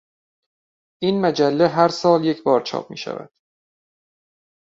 این مجله هر سال یک بار چاپ میشود.